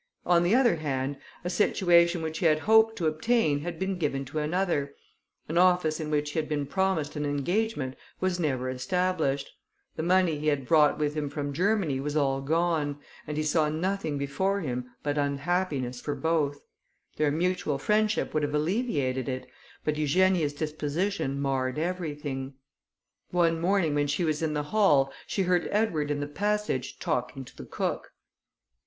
On the other hand, a situation which he had hoped to obtain had been given to another; an office in which he had been promised an engagement was never established; the money he had brought with him from Germany was all gone, and he saw nothing before him but unhappiness for both. Their mutual friendship would have alleviated it, but Eugenia's disposition marred everything. One morning, when she was in the hall, she heard Edward, in the passage, talking to the cook.